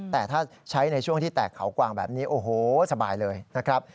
แต่ถ้าใช้ในช่วงที่แตกเขากวางแบบนี้โอ้โหสบายเลยนะครับ